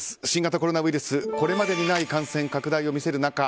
新型コロナウイルスこれまでにない感染拡大を見せる中